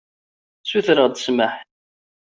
Sutreɣ-d ssmaḥ.